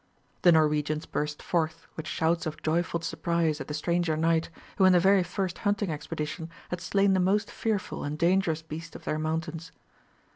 The Norwegians burst forth with shouts of joyful surprise at the stranger knight, who in the very first hunting expedition had slain the most fearful and dangerous beast of their mountains.